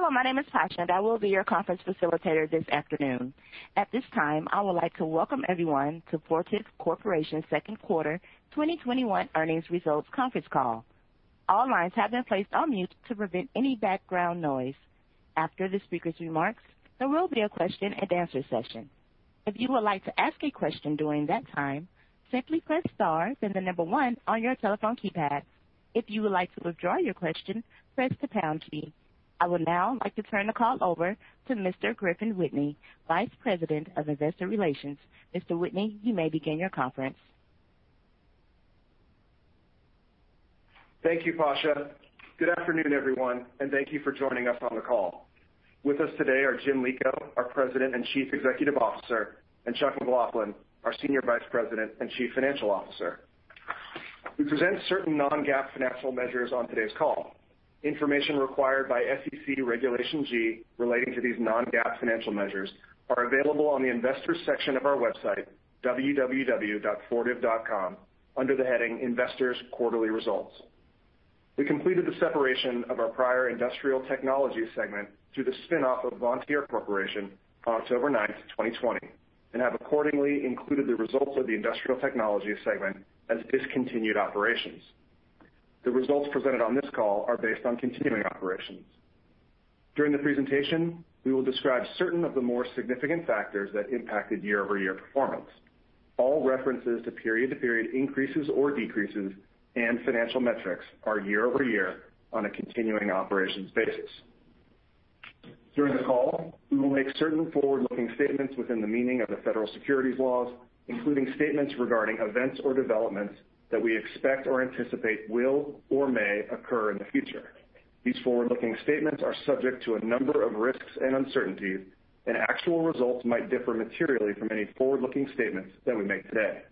Hello, my name is Pasha, and I will be your conference facilitator this afternoon. At this time, I would like to welcome everyone to Fortive Corporation's second quarter 2021 earnings results conference call. All lines have been placed on mute to prevent any background noise. After the speaker's remarks, there will be a question-and-answer session. If you would like to ask a question during that time, simply press star, then the number one on your telephone keypad. If you would like to withdraw your question, press the pound key. I would now like to turn the call over to Mr. Griffin Whitney, Vice President of Investor Relations. Mr. Whitney, you may begin your conference. Thank you, Pasha. Good afternoon, everyone, and thank you for joining us on the call. With us today are Jim Lico, our President and Chief Executive Officer, and Chuck McLaughlin, our Senior Vice President and Chief Financial Officer. We present certain non-GAAP financial measures on today's call. Information required by SEC Regulation G relating to these non-GAAP financial measures are available on the investors section of our website, www.fortive.com, under the heading Investors Quarterly Results. We completed the separation of our prior industrial technology segment through the spin-off of Vontier Corporation on October 9th, 2020, and have accordingly included the results of the industrial technology segment as discontinued operations. The results presented on this call are based on continuing operations. During the presentation, we will describe certain of the more significant factors that impacted year-over-year performance. All references to period-to-period increases or decreases and financial metrics are year-over-year on a continuing operations basis. During the call, we will make certain forward-looking statements within the meaning of the federal securities laws, including statements regarding events or developments that we expect or anticipate will or may occur in the future. These forward-looking statements are subject to a number of risks and uncertainties, and actual results might differ materially from any forward-looking statements that we make today.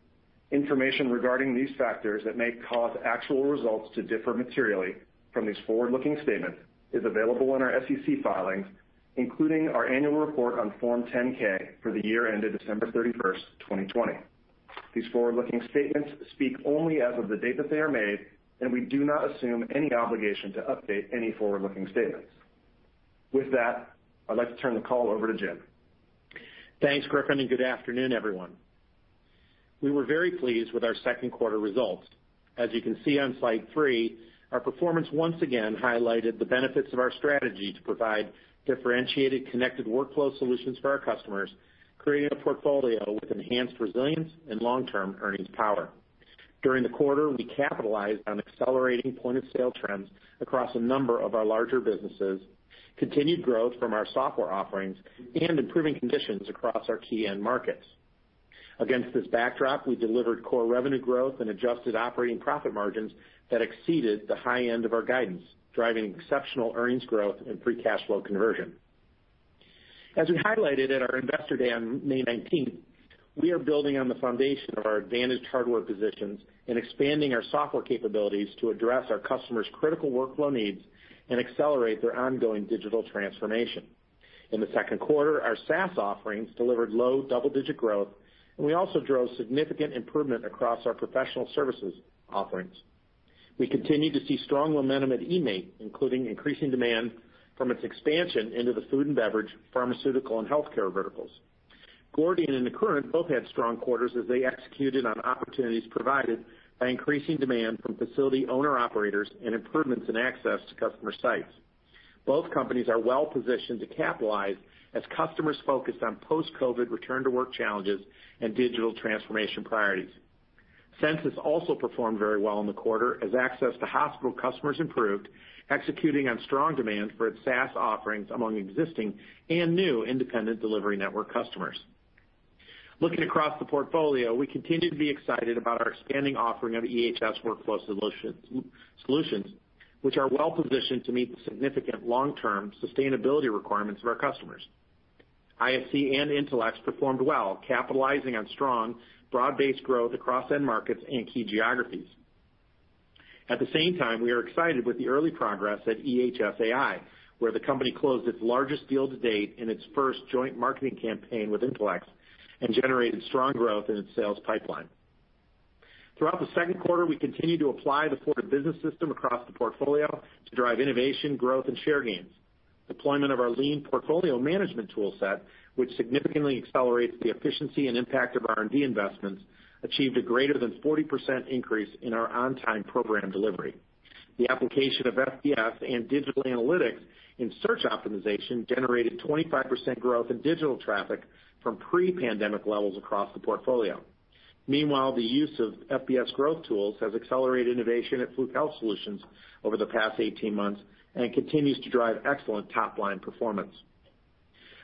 Information regarding these factors that may cause actual results to differ materially from these forward-looking statements is available in our SEC filings, including our annual report on Form 10-K for the year ended December 31st, 2020. These forward-looking statements speak only as of the date that they are made, and we do not assume any obligation to update any forward-looking statements. With that, I'd like to turn the call over to Jim. Thanks, Griffin. Good afternoon, everyone. We were very pleased with our second quarter results. As you can see on slide three, our performance once again highlighted the benefits of our strategy to provide differentiated connected workflow solutions for our customers, creating a portfolio with enhanced resilience and long-term earnings power. During the quarter, we capitalized on accelerating point-of-sale trends across a number of our larger businesses, continued growth from our software offerings, and improving conditions across our key end markets. Against this backdrop, we delivered core revenue growth and adjusted operating profit margins that exceeded the high end of our guidance, driving exceptional earnings growth and free cash flow conversion. As we highlighted at our Investor Day on May 19th, we are building on the foundation of our advantaged hardware positions and expanding our software capabilities to address our customers' critical workflow needs and accelerate their ongoing digital transformation. In the second quarter, our SaaS offerings delivered low double-digit growth, and we also drove significant improvement across our professional services offerings. We continue to see strong momentum at eMaint, including increasing demand from its expansion into the food and beverage, pharmaceutical, and healthcare verticals. Gordian and Accruent both had strong quarters as they executed on opportunities provided by increasing demand from facility owner-operators and improvements in access to customer sites. Both companies are well positioned to capitalize as customers focus on post-COVID return-to-work challenges and digital transformation priorities. Censis also performed very well in the quarter as access to hospital customers improved, executing on strong demand for its SaaS offerings among existing and new independent delivery network customers. Looking across the portfolio, we continue to be excited about our expanding offering of EHS workflow solutions, which are well positioned to meet the significant long-term sustainability requirements of our customers. ISC and Intelex performed well, capitalizing on strong, broad-based growth across end markets and key geographies. At the same time, we are excited with the early progress at ehsAI, where the company closed its largest deal to date in its first joint marketing campaign with Intelex and generated strong growth in its sales pipeline. Throughout the second quarter, we continued to apply the Fortive Business System across the portfolio to drive innovation, growth, and share gains. Deployment of our lean portfolio management toolset, which significantly accelerates the efficiency and impact of R&D investments, achieved a greater than 40% increase in our on-time program delivery. The application of FBS and digital analytics in search optimization generated 25% growth in digital traffic from pre-pandemic levels across the portfolio. Meanwhile, the use of FBS growth tools has accelerated innovation at Fluke Health Solutions over the past 18 months and continues to drive excellent top-line performance.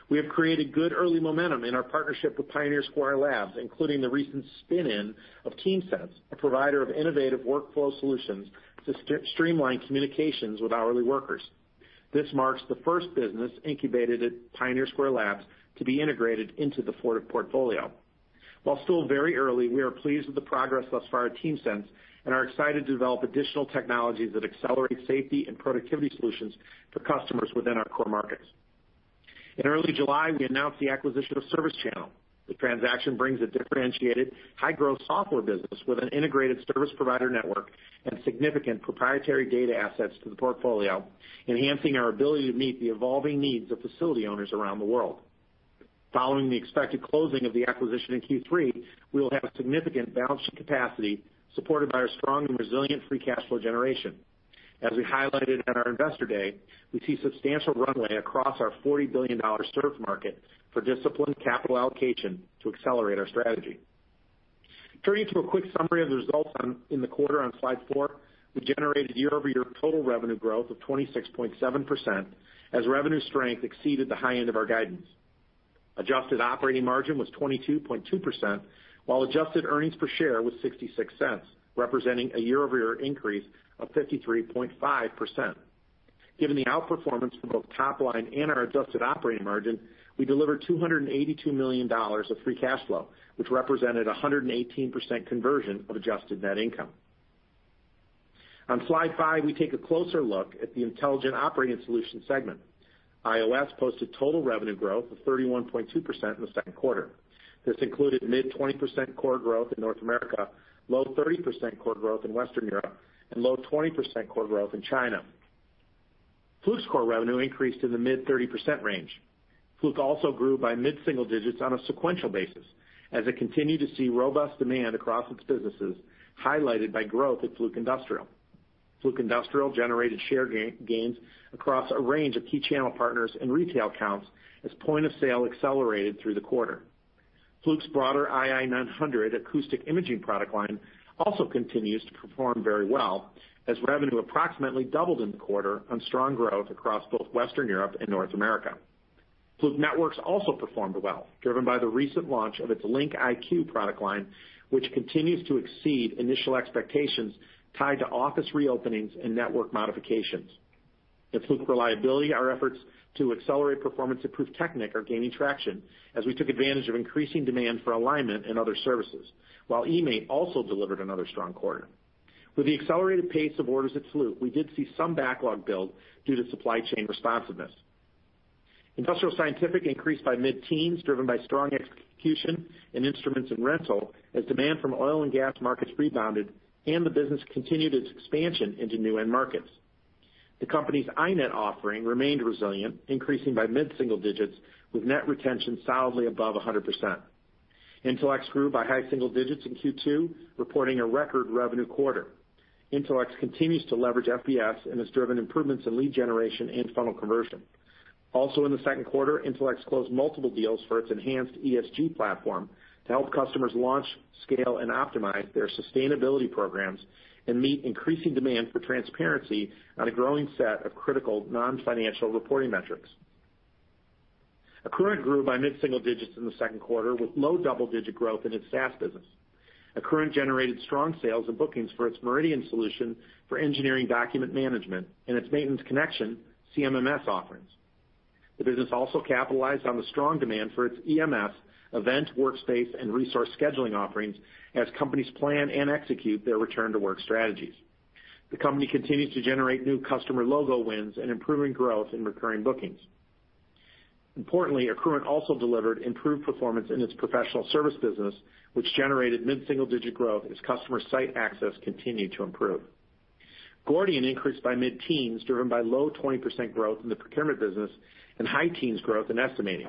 We have created good early momentum in our partnership with Pioneer Square Labs, including the recent spin-in of TeamSense, a provider of innovative workflow solutions to streamline communications with hourly workers. This marks the first business incubated at Pioneer Square Labs to be integrated into the Fortive portfolio. While still very early, we are pleased with the progress thus far at TeamSense and are excited to develop additional technologies that accelerate safety and productivity solutions for customers within our core markets. In early July, we announced the acquisition of ServiceChannel. The transaction brings a differentiated high-growth software business with an integrated service provider network and significant proprietary data assets to the portfolio, enhancing our ability to meet the evolving needs of facility owners around the world. Following the expected closing of the acquisition in Q3, we will have a significant balance sheet capacity supported by our strong and resilient free cash flow generation. As we highlighted at our Investor Day, we see substantial runway across our $40 billion served market for disciplined capital allocation to accelerate our strategy. Turning to a quick summary of the results in the quarter on slide four, we generated year-over-year total revenue growth of 26.7% as revenue strength exceeded the high end of our guidance. Adjusted operating margin was 22.2%, while adjusted earnings per share was $0.66, representing a year-over-year increase of 53.5%. Given the outperformance for both top line and our adjusted operating margin, we delivered $282 million of free cash flow, which represented 118% conversion of adjusted net income. On slide five, we take a closer look at the Intelligent Operating Solutions segment. IOS posted total revenue growth of 31.2% in the second quarter. This included mid-20% core growth in North America, low 30% core growth in Western Europe, and low 20% core growth in China. Fluke's core revenue increased in the mid-30% range. Fluke also grew by mid-single digits on a sequential basis, as it continued to see robust demand across its businesses, highlighted by growth at Fluke Industrial. Fluke Industrial generated share gains across a range of key channel partners and retail accounts as point-of-sale accelerated through the quarter. Fluke's broader ii900 acoustic imaging product line also continues to perform very well, as revenue approximately doubled in the quarter on strong growth across both Western Europe and North America. Fluke Networks also performed well, driven by the recent launch of its LinkIQ product line, which continues to exceed initial expectations tied to office reopenings and network modifications. At Fluke Reliability, our efforts to accelerate performance at Prüftechnik are gaining traction as we took advantage of increasing demand for alignment and other services, while eMaint also delivered another strong quarter. With the accelerated pace of orders at Fluke, we did see some backlog build due to supply chain responsiveness. Industrial Scientific increased by mid-teens, driven by strong execution in instruments and rental as demand from oil and gas markets rebounded and the business continued its expansion into new end markets. The company's iNet offering remained resilient, increasing by mid-single digits, with net retention solidly above 100%. Intelex grew by high single digits in Q2, reporting a record revenue quarter. Intelex continues to leverage FBS and has driven improvements in lead generation and funnel conversion. In the second quarter, Intelex closed multiple deals for its enhanced ESG platform to help customers launch, scale, and optimize their sustainability programs and meet increasing demand for transparency on a growing set of critical non-financial reporting metrics. Accruent grew by mid-single digits in the second quarter, with low double-digit growth in its SaaS business. Accruent generated strong sales and bookings for its Meridian solution for engineering document management and its Maintenance Connection CMMS offerings. The business also capitalized on the strong demand for its EMS event workspace and resource scheduling offerings as companies plan and execute their return-to-work strategies. The company continues to generate new customer logo wins and improving growth in recurring bookings. Importantly, Accruent also delivered improved performance in its professional service business, which generated mid-single-digit growth as customer site access continued to improve. Gordian increased by mid-teens, driven by low 20% growth in the procurement business and high teens growth in estimating.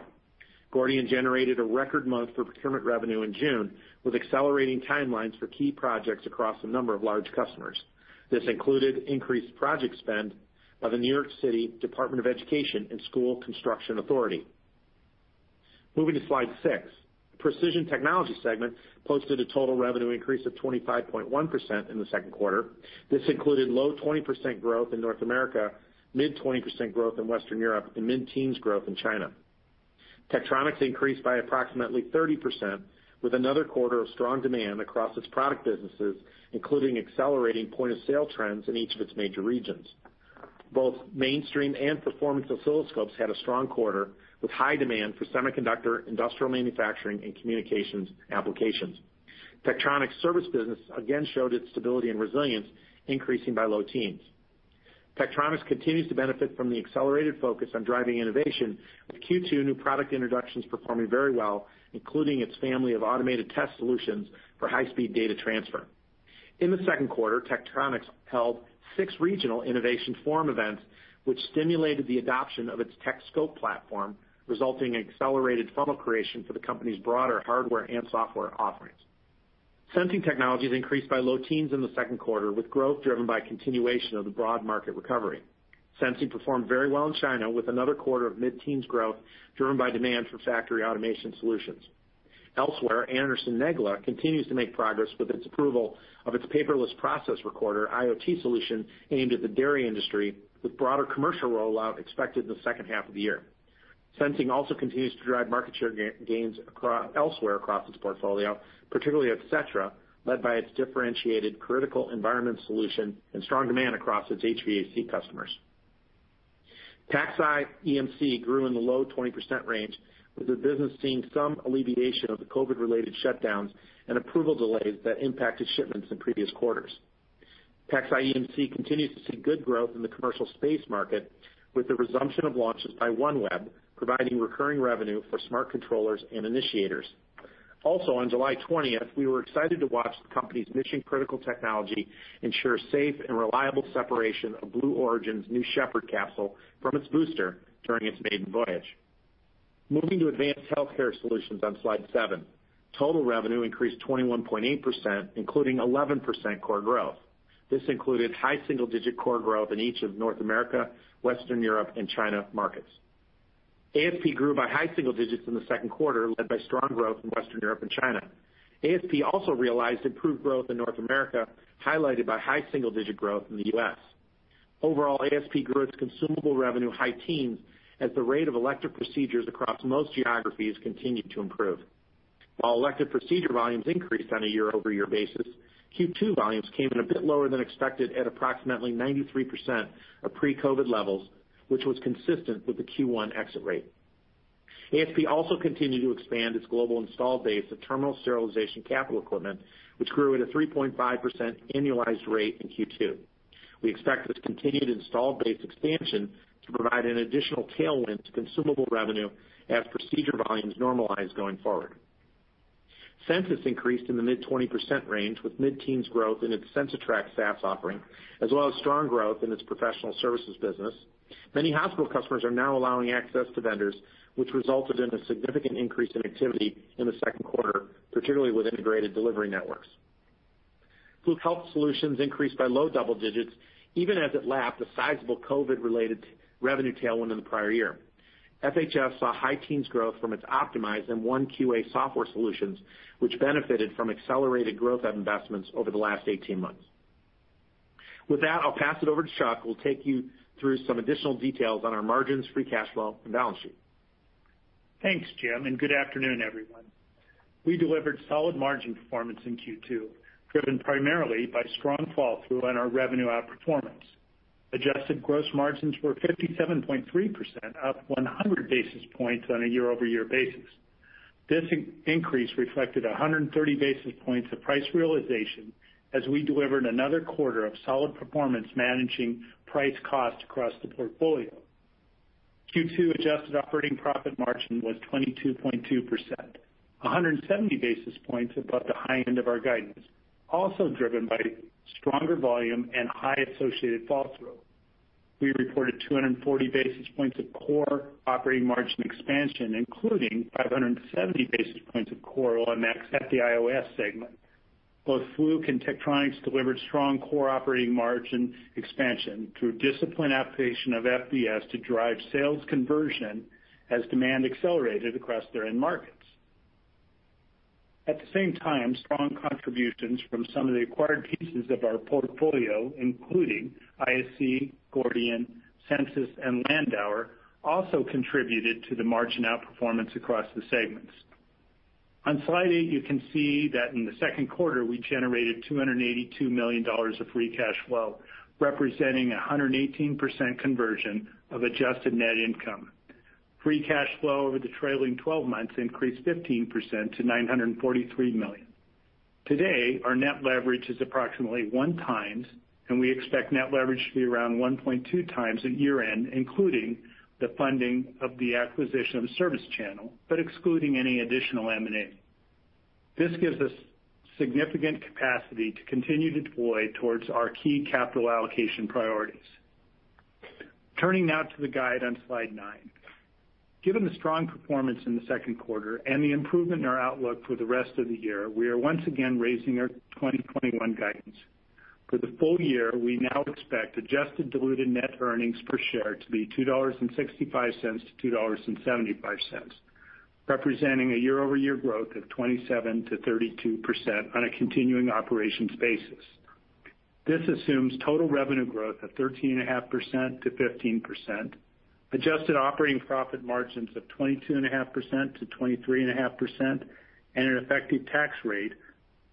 Gordian generated a record month for procurement revenue in June, with accelerating timelines for key projects across a number of large customers. This included increased project spend by the New York City Department of Education and School Construction Authority. Moving to slide six. Precision Technologies segment posted a total revenue increase of 25.1% in the second quarter. This included low 20% growth in North America, mid 20% growth in Western Europe, and mid-teens growth in China. Tektronix increased by approximately 30%, with another quarter of strong demand across its product businesses, including accelerating point-of-sale trends in each of its major regions. Both mainstream and performance oscilloscopes had a strong quarter, with high demand for semiconductor, industrial manufacturing, and communications applications. Tektronix service business again showed its stability and resilience, increasing by low teens. Tektronix continues to benefit from the accelerated focus on driving innovation with Q2 new product introductions performing very well, including its family of automated test solutions for high-speed data transfer. In the second quarter, Tektronix held six regional innovation forum events, which stimulated the adoption of its TekScope platform, resulting in accelerated funnel creation for the company's broader hardware and software offerings. Sensing Technologies increased by low teens in the second quarter, with growth driven by continuation of the broad market recovery. Sensing performed very well in China with another quarter of mid-teens growth, driven by demand for factory automation solutions. Elsewhere, Anderson-Negele continues to make progress with its approval of its paperless process recorder IoT solution aimed at the dairy industry, with broader commercial rollout expected in the second half of the year. Sensing also continues to drive market share gains elsewhere across its portfolio, particularly at Setra, led by its differentiated critical environment solution and strong demand across its HVAC customers. Pacific Scientific EMC grew in the low 20% range, with the business seeing some alleviation of the COVID-related shutdowns and approval delays that impacted shipments in previous quarters. Pacific Scientific EMC continues to see good growth in the commercial space market with the resumption of launches by OneWeb, providing recurring revenue for smart controllers and initiators. On July 20th, we were excited to watch the company's mission-critical technology ensure safe and reliable separation of Blue Origin's New Shepard capsule from its booster during its maiden voyage. Moving to Advanced Healthcare Solutions on Slide seven. Total revenue increased 21.8%, including 11% core growth. This included high single-digit core growth in each of North America, Western Europe, and China markets. ASP grew by high single digits in the second quarter, led by strong growth in Western Europe and China. ASP also realized improved growth in North America, highlighted by high single-digit growth in the U.S. Overall, ASP grew its consumable revenue high teens as the rate of elective procedures across most geographies continued to improve. While elective procedure volumes increased on a year-over-year basis, Q2 volumes came in a bit lower than expected at approximately 93% of pre-COVID levels, which was consistent with the Q1 exit rate. ASP also continued to expand its global installed base of terminal sterilization capital equipment, which grew at a 3.5% annualized rate in Q2. We expect this continued installed base expansion to provide an additional tailwind to consumable revenue as procedure volumes normalize going forward. Censis increased in the mid-20% range with mid-teens growth in its CensiTrac SaaS offering, as well as strong growth in its professional services business. Many hospital customers are now allowing access to vendors, which resulted in a significant increase in activity in the second quarter, particularly with integrated delivery networks. Fluke Health Solutions increased by low double digits even as it lapped a sizable COVID-related revenue tailwind in the prior year. FHS saw high teens growth from its optimized and OneQA software solutions, which benefited from accelerated growth of investments over the last 18 months. With that, I'll pass it over to Chuck, who will take you through some additional details on our margins, free cash flow, and balance sheet. Thanks, Jim, good afternoon, everyone. We delivered solid margin performance in Q2, driven primarily by strong fall-through on our revenue outperformance. Adjusted gross margins were 57.3%, up 100 basis points on a year-over-year basis. This increase reflected 130 basis points of price realization as we delivered another quarter of solid performance managing price cost across the portfolio. Q2 adjusted operating profit margin was 22.2%, 170 basis points above the high end of our guidance, also driven by stronger volume and high associated fall-through. We reported 240 basis points of core operating margin expansion, including 570 basis points of core on the IOS segment. Both Fluke and Tektronix delivered strong core operating margin expansion through disciplined application of FBS to drive sales conversion as demand accelerated across their end markets. At the same time, strong contributions from some of the acquired pieces of our portfolio, including ISC, Gordian, Censis, and Landauer, also contributed to the margin outperformance across the segments. On Slide eight, you can see that in the second quarter, we generated $282 million of free cash flow, representing 118% conversion of adjusted net income. Free cash flow over the trailing 12 months increased 15% to $943 million. Today, our net leverage is approximately 1x, and we expect net leverage to be around 1.2x at year-end, including the funding of the acquisition of ServiceChannel, but excluding any additional M&A. This gives us significant capacity to continue to deploy towards our key capital allocation priorities. Turning now to the guide on Slide nine. Given the strong performance in the second quarter and the improvement in our outlook for the rest of the year, we are once again raising our 2021 guidance. For the full year, we now expect adjusted diluted net earnings per share to be $2.65-$2.75, representing a year-over-year growth of 27%-32% on a continuing operations basis. This assumes total revenue growth of 13.5%-15%, adjusted operating profit margins of 22.5%-23.5%, and an effective tax rate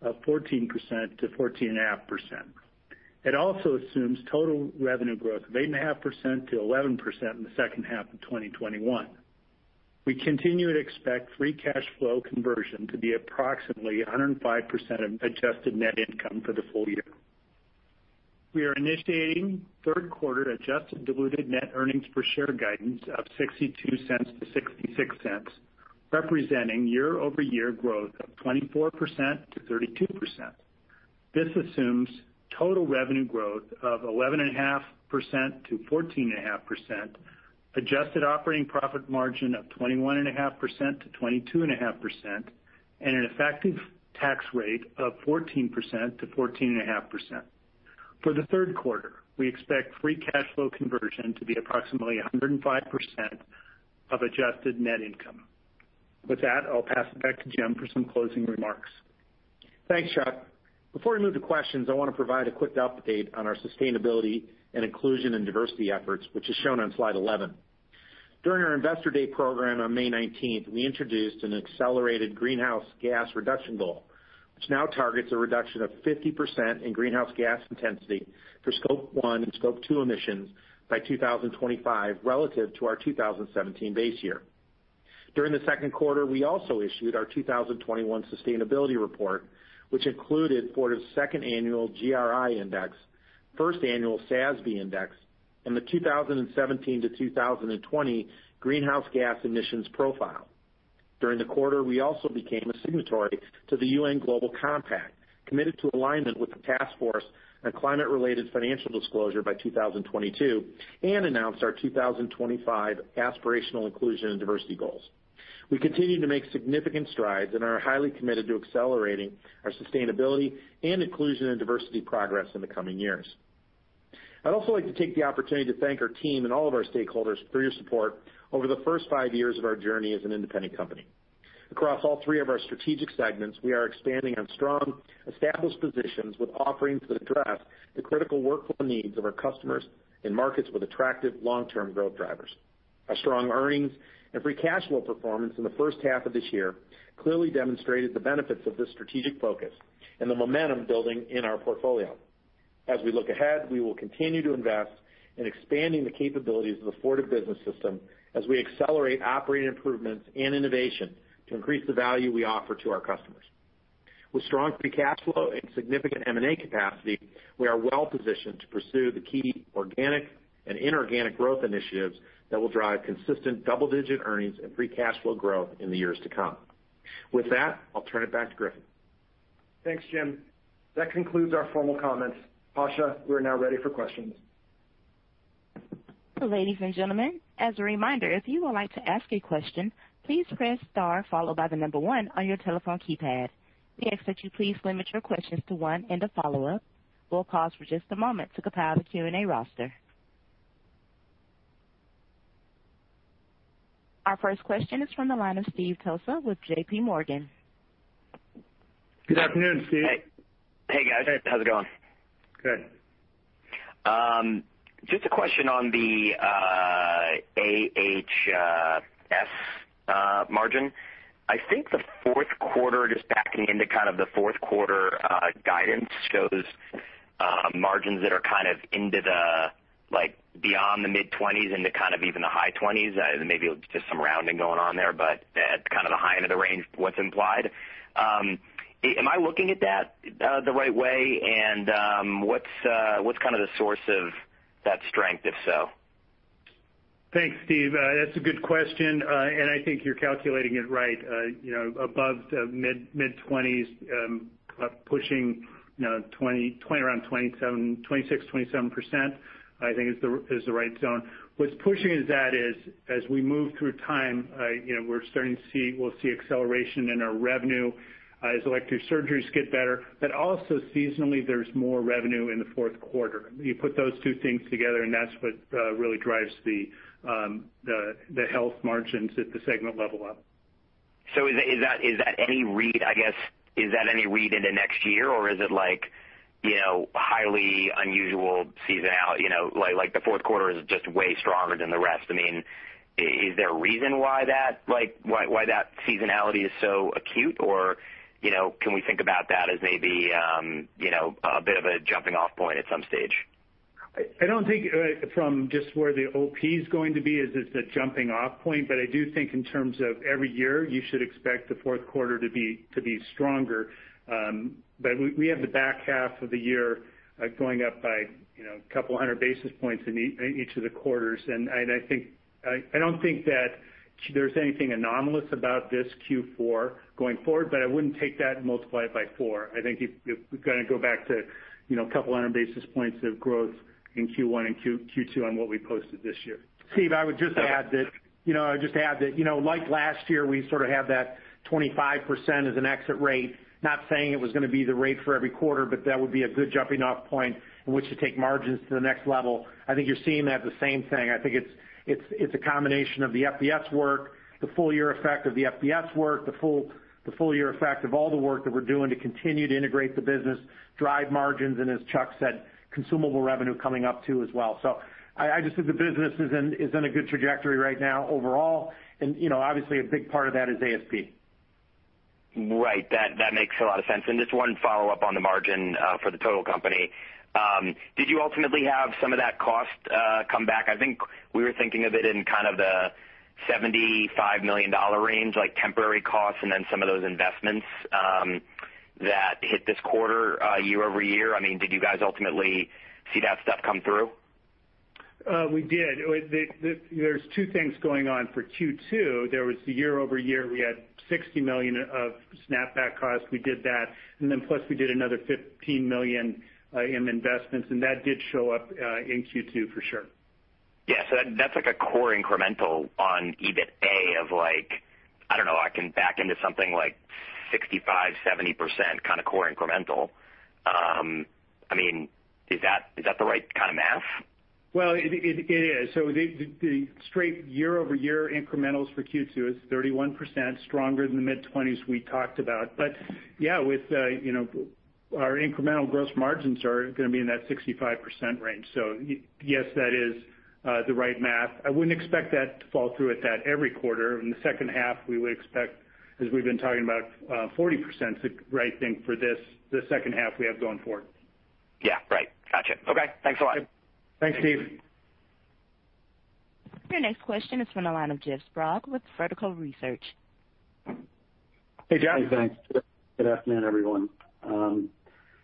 of 14%-14.5%. It also assumes total revenue growth of 8.5%-11% in the second half of 2021. We continue to expect free cash flow conversion to be approximately 105% of adjusted net income for the full year. We are initiating third quarter adjusted diluted net earnings per share guidance of $0.62-$0.66, representing year-over-year growth of 24%-32%. This assumes total revenue growth of 11.5%-14.5%, adjusted operating profit margin of 21.5%-22.5%, and an effective tax rate of 14%-14.5%. For the third quarter, we expect free cash flow conversion to be approximately 105% of adjusted net income. With that, I'll pass it back to Jim for some closing remarks. Thanks, Chuck. Before we move to questions, I want to provide a quick update on our sustainability and inclusion and diversity efforts, which is shown on Slide 11. During our Investor Day program on May 19th, we introduced an accelerated greenhouse gas reduction goal, which now targets a reduction of 50% in greenhouse gas intensity for Scope 1 and Scope 2 emissions by 2025 relative to our 2017 base year. During the second quarter, we also issued our 2021 sustainability report, which included Fortive's second annual GRI index, first annual SASB index, and the 2017 to 2020 greenhouse gas emissions profile. During the quarter, we also became a signatory to the UN Global Compact, committed to alignment with the task force on climate-related financial disclosure by 2022, and announced our 2025 aspirational inclusion and diversity goals. We continue to make significant strides and are highly committed to accelerating our sustainability and inclusion and diversity progress in the coming years. I'd also like to take the opportunity to thank our team and all of our stakeholders for your support over the first five years of our journey as an independent company. Across all three of our strategic segments, we are expanding on strong, established positions with offerings that address the critical workflow needs of our customers in markets with attractive long-term growth drivers. Our strong earnings and free cash flow performance in the first half of this year clearly demonstrated the benefits of this strategic focus and the momentum building in our portfolio. As we look ahead, we will continue to invest in expanding the capabilities of the Fortive Business System as we accelerate operating improvements and innovation to increase the value we offer to our customers. With strong free cash flow and significant M&A capacity, we are well positioned to pursue the key organic and inorganic growth initiatives that will drive consistent double-digit earnings and free cash flow growth in the years to come. With that, I'll turn it back to Griffin. Thanks, Jim. That concludes our formal comments. Pasha, we're now ready for questions. Ladies and gentlemen, as a reminder, if you would like to ask a question, please press star followed by one on your telephone keypad. We ask that you please limit your questions to one and a follow-up. We'll pause for just a moment to compile the Q&A roster. Our first question is from the line of Steve Tusa with JPMorgan. Good afternoon, Steve. Hey, guys. How's it going? Good. Just a question on the AHS margin. I think the fourth quarter, just backing into kind of the fourth quarter guidance shows margins that are kind of into the, like, beyond the mid-20s into kind of even the high 20s. Maybe it was just some rounding going on there, but that's kind of the high end of the range, what's implied. Am I looking at that the right way? What's kind of the source of that strength, if so? Thanks, Steve. That's a good question, and I think you're calculating it right. Above the mid-20s, pushing around 26%, 27%, I think is the right zone. What's pushing that is, as we move through time, we'll see acceleration in our revenue as elective surgeries get better, but also seasonally, there's more revenue in the fourth quarter. You put those two things together, and that's what really drives the health margins at the segment level up. Is that any read, I guess, is that any read into next year, or is it like highly unusual seasonality? Like the fourth quarter is just way stronger than the rest. I mean, is there a reason why that seasonality is so acute, or can we think about that as maybe a bit of a jumping-off point at some stage? I don't think from just where the OP is going to be is this the jumping-off point. I do think in terms of every year, you should expect the fourth quarter to be stronger. We have the back half of the year going up by a couple hundred basis points in each of the quarters, and I don't think that there's anything anomalous about this Q4 going forward, but I wouldn't take that and multiply it by four. I think if we're going to go back to a couple hundred basis points of growth in Q1 and Q2 on what we posted this year. Steve, I would just add that like last year, we sort of have that 25% as an exit rate, not saying it was going to be the rate for every quarter, but that would be a good jumping-off point in which to take margins to the next level. I think you're seeing that the same thing. I think it's a combination of the FBS work, the full-year effect of the FBS work, the full-year effect of all the work that we're doing to continue to integrate the business, drive margins, and as Chuck said, consumable revenue coming up too as well. I just think the business is in a good trajectory right now overall, and obviously a big part of that is ASP. Right. That makes a lot of sense. Just one follow-up on the margin for the total company. Did you ultimately have some of that cost come back? I think we were thinking of it in kind of the $75 million range, like temporary costs and then some of those investments that hit this quarter, year-over-year. I mean, did you guys ultimately see that stuff come through? We did. There's two things going on for Q2. There was the year-over-year, we had $60 million of snapback costs. We did that. Plus we did another $15 million in investments, and that did show up in Q2 for sure. Yeah. That's like a core incremental on EBITDA of like, I don't know, I can back into something like 65%, 70% kind of core incremental. I mean, is that the right kind of math? It is. The straight year-over-year incrementals for Q2 is 31%, stronger than the mid-20s we talked about. Yeah, our incremental gross margins are going to be in that 65% range. Yes, that is the right math. I wouldn't expect that to fall through at that every quarter. In the second half, we would expect, as we've been talking about, 40% is the right thing for this second half we have going forward. Yeah, right. Got it. Okay. Thanks a lot. Thanks, Steve. Your next question is from the line of Jeff Sprague with Vertical Research Partners. Hey, Jeff. Hey, thanks. Good afternoon, everyone.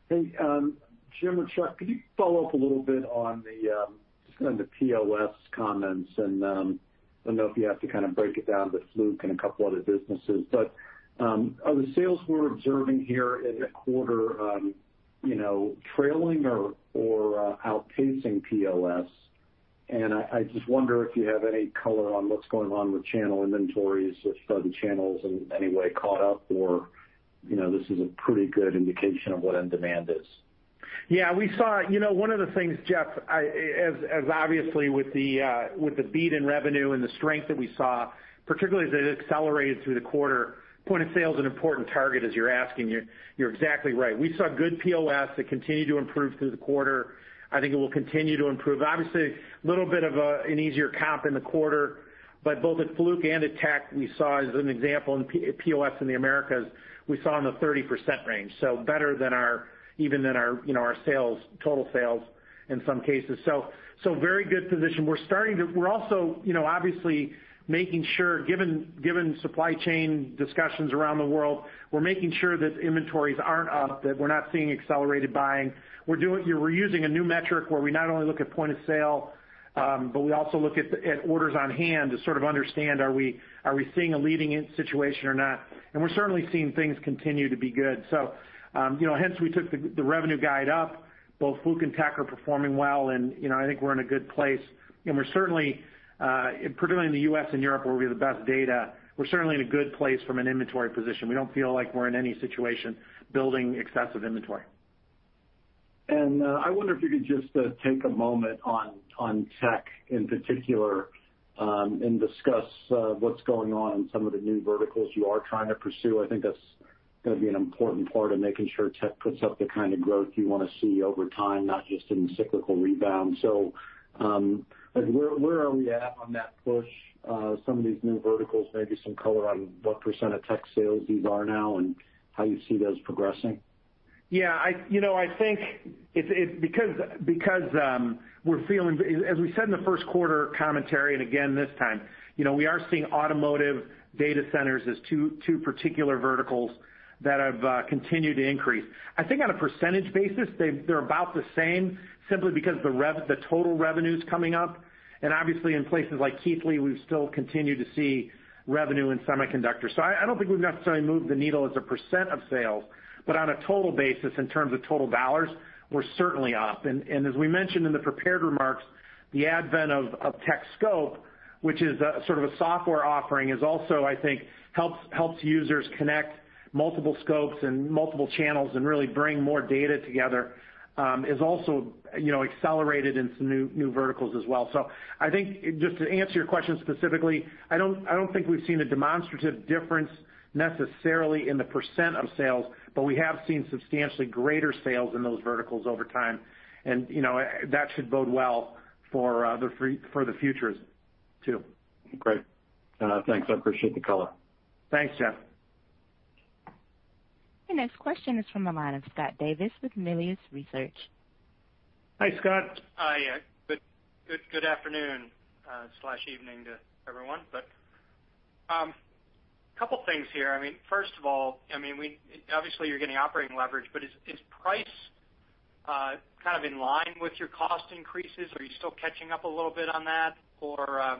Hey, Jim and Chuck, could you follow up a little bit on the POS comments? I don't know if you have to kind of break it down to Fluke and a couple other businesses. Are the sales we're observing here in the quarter trailing or outpacing POS? I just wonder if you have any color on what's going on with channel inventories, if the channels in any way caught up or this is a pretty good indication of what end demand is. Yeah. One of the things, Jeff, as obviously with the beat in revenue and the strength that we saw, particularly as it accelerated through the quarter, point of sale is an important target, as you're asking. You're exactly right. We saw good POS that continued to improve through the quarter. I think it will continue to improve. Obviously, little bit of an easier comp in the quarter. Both at Fluke and at Tek, we saw as an example in POS in the Americas, we saw in the 30% range. Better even than our total sales in some cases. Very good position. We're also obviously, given supply chain discussions around the world, we're making sure that inventories aren't up, that we're not seeing accelerated buying. We're using a new metric where we not only look at point of sale, but we also look at orders on hand to sort of understand, are we seeing a leading situation or not? We're certainly seeing things continue to be good. Hence we took the revenue guide up. Both Fluke and Tek are performing well, and I think we're in a good place, particularly in the U.S. and Europe, where we have the best data. We're certainly in a good place from an inventory position. We don't feel like we're in any situation building excessive inventory. I wonder if you could just take a moment on Tek in particular, and discuss what's going on in some of the new verticals you are trying to pursue. I think that's going to be an important part of making sure Tek puts up the kind of growth you want to see over time, not just in cyclical rebound. Where are we at on that push? Some of these new verticals, maybe some color on what percent of tech sales these are now and how you see those progressing. As we said in the first quarter commentary, and again this time, we are seeing automotive data centers as two particular verticals that have continued to increase. I think on a percentage basis, they're about the same simply because the total revenue's coming up, and obviously in places like Keithley, we still continue to see revenue in semiconductors. I don't think we've necessarily moved the needle as a percent of sales, but on a total basis, in terms of total dollars, we're certainly up. As we mentioned in the prepared remarks, the advent of TekScope, which is sort of a software offering, is also, I think, helps users connect multiple scopes and multiple channels and really bring more data together, is also accelerated in some new verticals as well. I think, just to answer your question specifically, I don't think we've seen a demonstrative difference necessarily in the percent of sales, but we have seen substantially greater sales in those verticals over time, and that should bode well for the futures too. Great. Thanks. I appreciate the color. Thanks, Jeff. Your next question is from the line of Scott Davis with Melius Research. Hi, Scott. Hi. Good afternoon/evening to everyone. A couple things here. First of all, obviously you're getting operating leverage, but is price kind of in line with your cost increases? Are you still catching up a little bit on that? Kind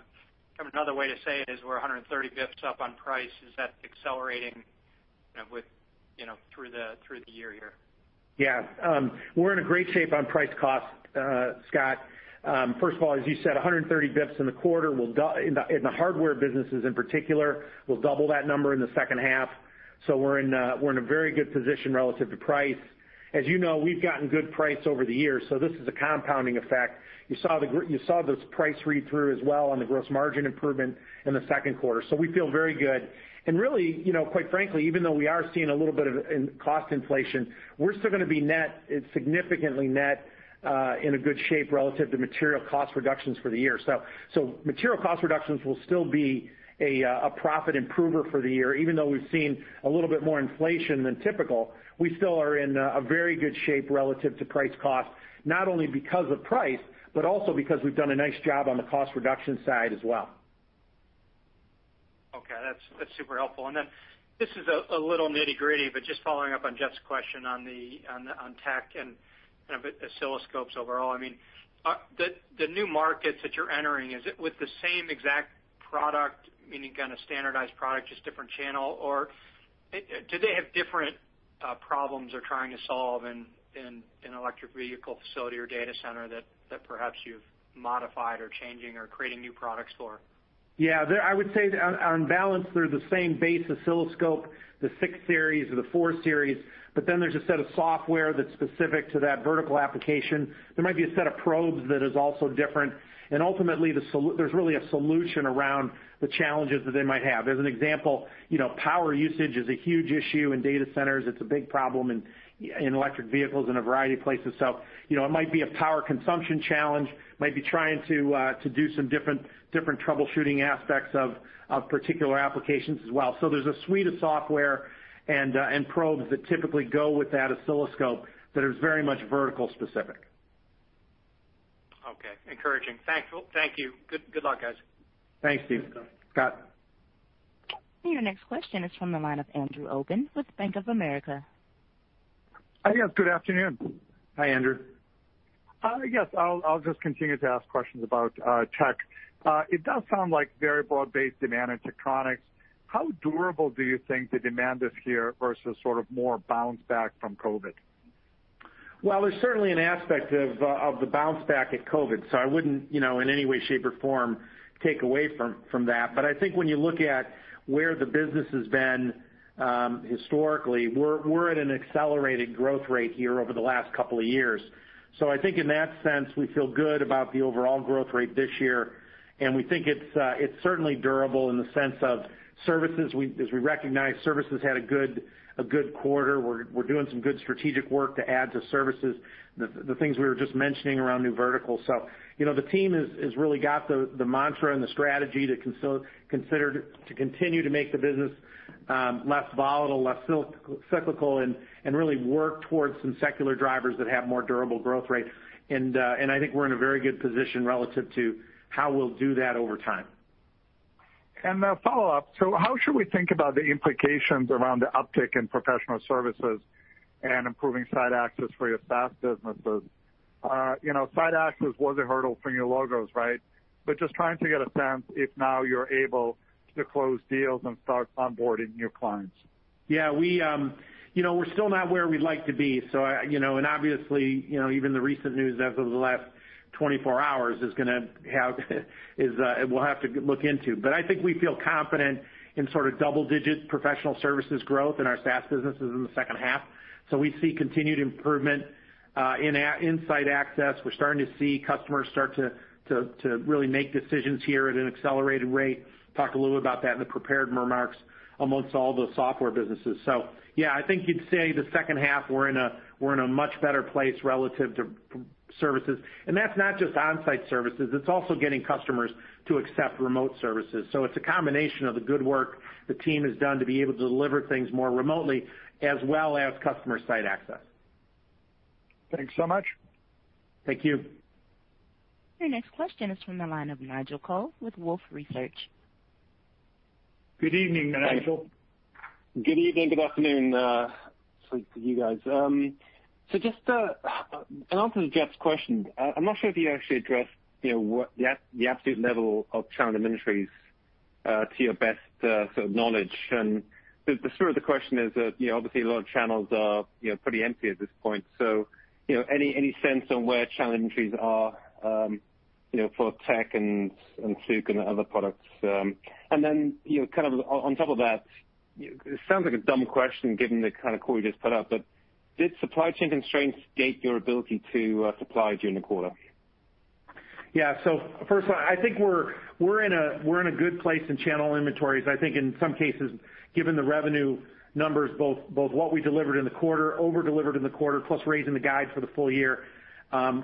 of another way to say it is we're 130 basis points up on price. Is that accelerating through the year here? We're in a great shape on price cost, Scott. First of all, as you said, 130 bips in the quarter. In the hardware businesses in particular, we'll double that number in the second half. We're in a very good position relative to price. As you know, we've gotten good price over the years, this is a compounding effect. You saw this price read through as well on the gross margin improvement in the second quarter, we feel very good. Really, quite frankly, even though we are seeing a little bit of cost inflation, we're still going to be significantly net in a good shape relative to material cost reductions for the year. Material cost reductions will still be a profit improver for the year, even though we've seen a little bit more inflation than typical. We still are in a very good shape relative to price cost, not only because of price, but also because we've done a nice job on the cost reduction side as well. Okay. That's super helpful. This is a little nitty-gritty, but just following up on Jeff's question on Tek and oscilloscopes overall, the new markets that you're entering, is it with the same one exact product, meaning kind of standardized product, just different channel, or do they have different problems they're trying to solve in an electric vehicle facility or data center that perhaps you've modified or changing or creating new products for? I would say on balance, they're the same base oscilloscope, the 6 series or the 4 series, but then there's a set of software that's specific to that vertical application. There might be a set of probes that is also different, and ultimately, there's really a solution around the challenges that they might have. As an example, power usage is a huge issue in data centers. It's a big problem in electric vehicles, in a variety of places. It might be a power consumption challenge, might be trying to do some different troubleshooting aspects of particular applications as well. There's a suite of software and probes that typically go with that oscilloscope that is very much vertical specific. Encouraging. Thank you. Good luck, guys. Thanks, Steve. Scott. Your next question is from the line of Andrew Obin with Bank of America. Yes. Good afternoon. Hi, Andrew. Yes. I'll just continue to ask questions about tech. It does sound like very broad-based demand in Tektronix. How durable do you think the demand is here versus sort of more bounce back from COVID? There's certainly an aspect of the bounce back at COVID, so I wouldn't, in any way, shape, or form take away from that. I think when you look at where the business has been historically, we're at an accelerated growth rate here over the last couple of years. I think in that sense, we feel good about the overall growth rate this year, and we think it's certainly durable in the sense of services. As we recognize, services had a good quarter. We're doing some good strategic work to add to services, the things we were just mentioning around new verticals. The team has really got the mantra and the strategy to continue to make the business less volatile, less cyclical, and really work towards some secular drivers that have more durable growth rates. I think we're in a very good position relative to how we'll do that over time. A follow-up. How should we think about the implications around the uptick in professional services and improving site access for your SaaS businesses? Site access was a hurdle for your logos, right? Just trying to get a sense if now you're able to close deals and start onboarding new clients. Yeah. We're still not where we'd like to be, obviously, even the recent news as of the last 24 hours we'll have to look into. I think we feel confident in sort of double-digit professional services growth in our SaaS businesses in the second half. We see continued improvement in site access. We're starting to see customers start to really make decisions here at an accelerated rate. Talked a little about that in the prepared remarks amongst all the software businesses. Yeah, I think you'd say the second half, we're in a much better place relative to services. That's not just on-site services, it's also getting customers to accept remote services. It's a combination of the good work the team has done to be able to deliver things more remotely, as well as customer site access. Thanks so much. Thank you. Your next question is from the line of Nigel Coe with Wolfe Research. Good evening, Nigel. Good evening. Good afternoon to you guys. Just an answer to Jeff Sprague's question. I'm not sure if you actually addressed the absolute level of channel inventories to your best sort of knowledge. The spirit of the question is that obviously a lot of channels are pretty empty at this point. Any sense on where channel inventories are for Tektronix and Fluke and the other products? Kind of on top of that, it sounds like a dumb question given the kind of call you just put up, but did supply chain constraints gate your ability to supply during the quarter? First of all, I think we're in a good place in channel inventories. I think in some cases, given the revenue numbers, both what we delivered in the quarter, over-delivered in the quarter, plus raising the guide for the full year,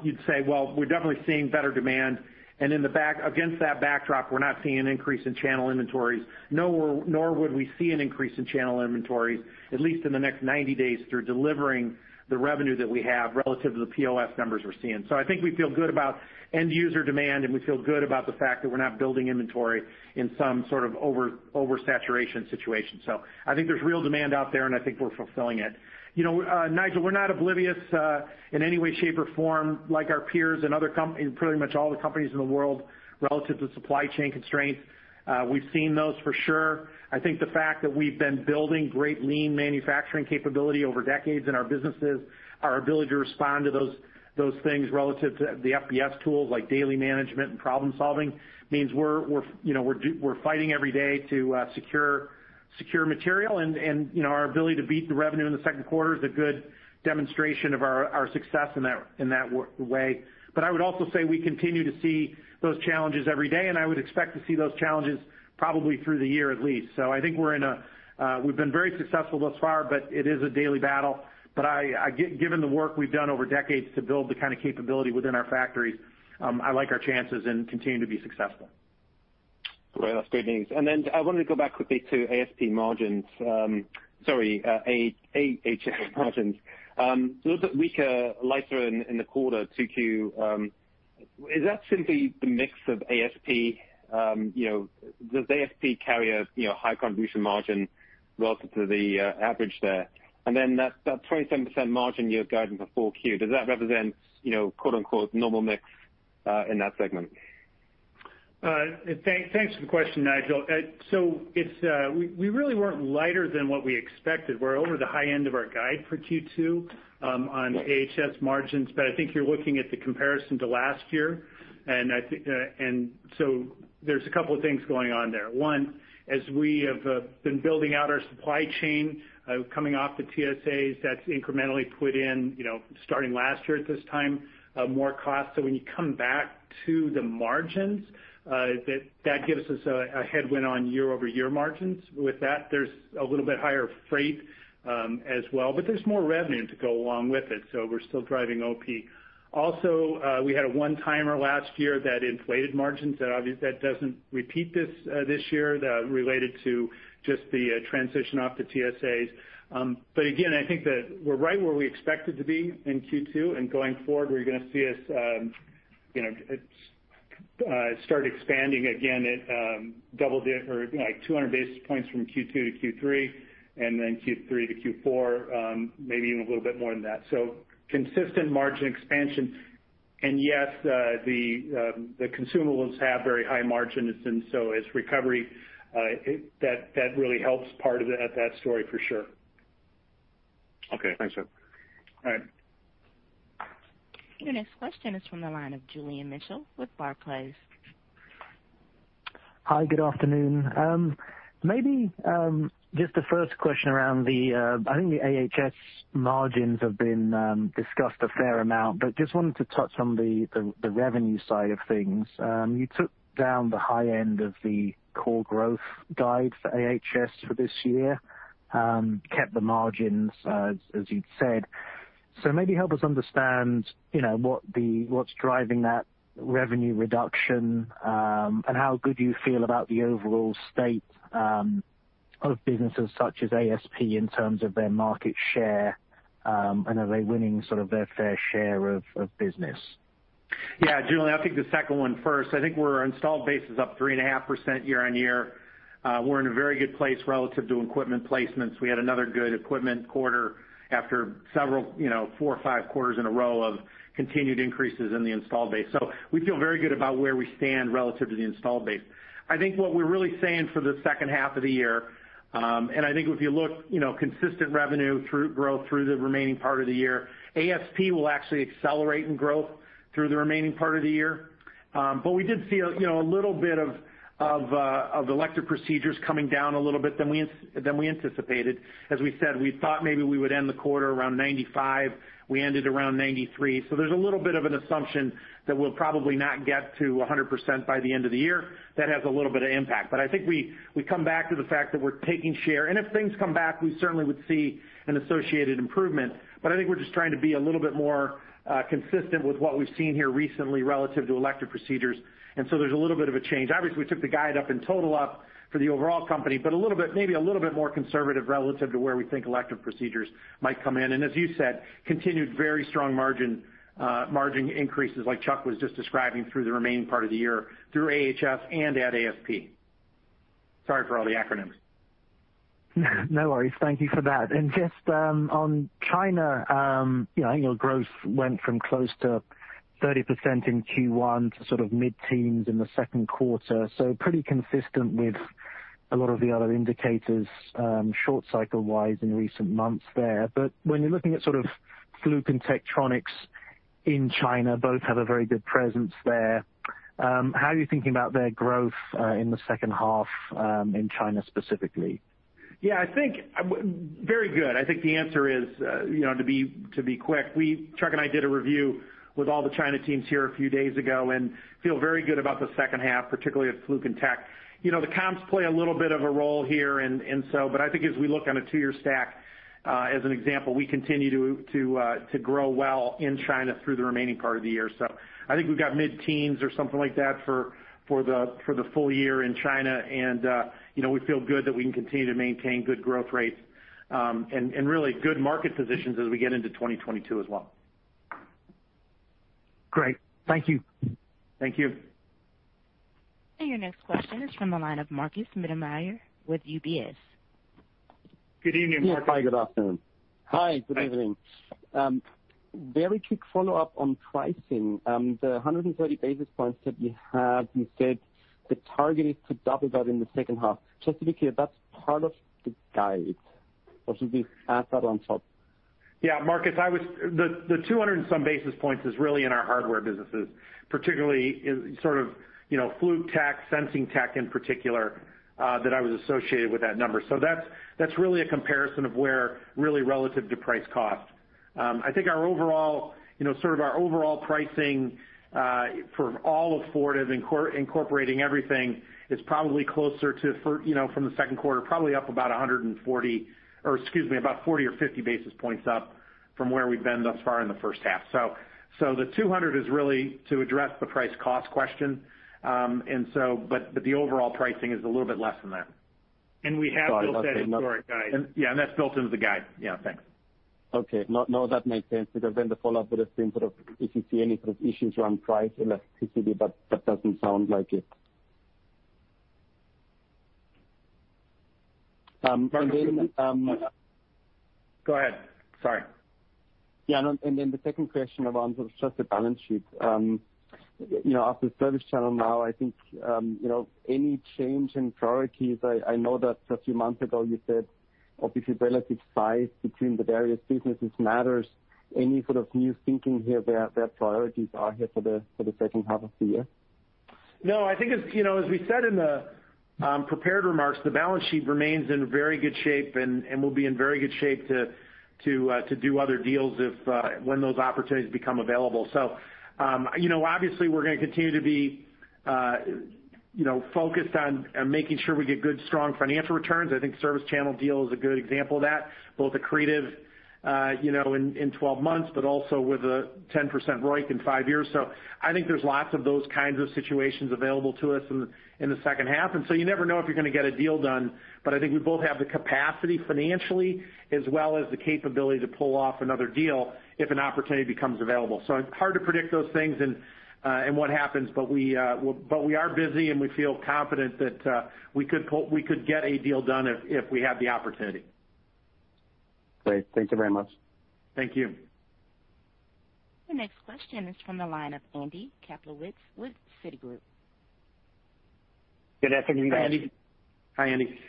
you'd say, well, we're definitely seeing better demand. Against that backdrop, we're not seeing an increase in channel inventories, nor would we see an increase in channel inventories, at least in the next 90 days, through delivering the revenue that we have relative to the POS numbers we're seeing. I think we feel good about end user demand, and we feel good about the fact that we're not building inventory in some sort of over-saturation situation. I think there's real demand out there, and I think we're fulfilling it. Nigel, we're not oblivious in any way, shape, or form like our peers and pretty much all the companies in the world relative to supply chain constraints. We've seen those for sure. I think the fact that we've been building great lean manufacturing capability over decades in our businesses, our ability to respond to those things relative to the FBS tools like daily management and problem-solving means we're fighting every day to secure material, and our ability to beat the revenue in the second quarter is a good demonstration of our success in that way. I would also say we continue to see those challenges every day, and I would expect to see those challenges probably through the year at least. I think we've been very successful thus far, but it is a daily battle. Given the work we've done over decades to build the kind of capability within our factories, I like our chances and continue to be successful. Great. That's great news. Then I wanted to go back quickly to ASP margins. Sorry, AHS margins. Those are weaker, lighter in the quarter 2Q. Is that simply the mix of ASP? Does ASP carry a high contribution margin relative to the average there? Then that 27% margin year guidance for 4Q, does that represent "normal mix" in that segment? Thanks for the question, Nigel. We really weren't lighter than what we expected. We're over the high end of our guide for Q2 on AHS margins. I think you're looking at the comparison to last year. There's a couple of things going on there. One, as we have been building out our supply chain coming off the TSAs, that's incrementally put in starting last year at this time more cost. When you come back to the margins, that gives us a headwind on year-over-year margins. With that, there's a little bit higher freight as well. There's more revenue to go along with it, so we're still driving OP. Also, we had a one-timer last year that inflated margins. That doesn't repeat this year related to just the transition off the TSAs. Again, I think that we're right where we expected to be in Q2. Start expanding again at double-digit or 200 basis points from Q2 to Q3 to Q4, maybe even a little bit more than that. Consistent margin expansion. Yes, the consumables have very high margins, as recovery, that really helps part of that story for sure. Okay. Thanks, Jim. All right. Your next question is from the line of Julian Mitchell with Barclays. Hi, good afternoon. Maybe just the first question around the, I think the AHS margins have been discussed a fair amount, but just wanted to touch on the revenue side of things. You took down the high end of the core growth guide for AHS for this year, kept the margins as you'd said. Maybe help us understand what's driving that revenue reduction, and how good you feel about the overall state of businesses such as ASP in terms of their market share, and are they winning sort of their fair share of business? Yeah. Julian, I'll take the second one first. I think our installed base is up 3.5% year-on-year. We're in a very good place relative to equipment placements. We had another good equipment quarter after four or five quarters in a row of continued increases in the installed base. We feel very good about where we stand relative to the installed base. I think what we're really saying for the second half of the year, and I think if you look consistent revenue through growth through the remaining part of the year, ASP will actually accelerate in growth through the remaining part of the year. We did see a little bit of elective procedures coming down a little bit than we anticipated. As we said, we thought maybe we would end the quarter around 95. We ended around 93. There's a little bit of an assumption that we'll probably not get to 100% by the end of the year. That has a little bit of impact. I think we come back to the fact that we're taking share, and if things come back, we certainly would see an associated improvement. I think we're just trying to be a little bit more consistent with what we've seen here recently relative to elective procedures, and so there's a little bit of a change. Obviously, we took the guide up in total up for the overall company, but maybe a little bit more conservative relative to where we think elective procedures might come in. As you said, continued very strong margin increases like Chuck was just describing through the remaining part of the year through AHS and at ASP. Sorry for all the acronyms. No worries. Thank you for that. Just on China, I know growth went from close to 30% in Q1 to sort of mid-teens in the second quarter. Pretty consistent with a lot of the other indicators, short cycle-wise in recent months there. When you're looking at sort of Fluke and Tektronix in China, both have a very good presence there. How are you thinking about their growth in the second half in China specifically? Very good. I think the answer is, to be quick, Chuck and I did a review with all the China teams here a few days ago and feel very good about the second half, particularly with Fluke and Tektronix. The comps play a little bit of a role here but I think as we look on a two-year stack, as an example, we continue to grow well in China through the remaining part of the year. I think we've got mid-teens or something like that for the full year in China. We feel good that we can continue to maintain good growth rates, and really good market positions as we get into 2022 as well. Great. Thank you. Thank you. Your next question is from the line of Markus Mittermaier with UBS. Good evening, Markus. Yeah. Hi, good afternoon. Hi. Hi, good evening. Very quick follow-up on pricing. The 130 basis points that you have, you said the target is to double that in the second half. Just to be clear, that's part of the guide, or should we add that on top? Yeah. Markus, the 200 and some basis points is really in our hardware businesses, particularly in sort of Fluke Tek, Sensing Technologies in particular, that I was associated with that number. That's really a comparison of where really relative to price cost. I think sort of our overall pricing, for all of Fortive incorporating everything, is probably closer from the second quarter, probably up about 140, or excuse me, about 40 or 50 basis points up from where we've been thus far in the first half. The 200 is really to address the price cost question. The overall pricing is a little bit less than that. Sorry about that. Yeah, and that's built into the guide. Yeah. Thanks. Okay. No, that makes sense. The follow-up would've been sort of if you see any sort of issues around price elasticity, but that doesn't sound like it. Go ahead. Sorry. Yeah. No. The second question around sort of just the balance sheet. After the ServiceChannel now, I think, any change in priorities? I know that a few months ago you said obviously relative size between the various businesses matters. Any sort of new thinking here where their priorities are here for the second half of the year? No, I think as we said in the prepared remarks, the balance sheet remains in very good shape and will be in very good shape to do other deals when those opportunities become available. Obviously we're going to continue to be focused on making sure we get good, strong financial returns. I think ServiceChannel deal is a good example of that, both accretive in 12 months, but also with a 10% ROIC in five years. I think there's lots of those kinds of situations available to us in the second half. You never know if you're going to get a deal done, but I think we both have the capacity financially as well as the capability to pull off another deal if an opportunity becomes available. It's hard to predict those things and what happens, but we are busy, and we feel confident that we could get a deal done if we have the opportunity. Great. Thank you very much. Thank you. The next question is from the line of Andrew Kaplowitz with Citigroup. Good afternoon, guys. Hi, Andy.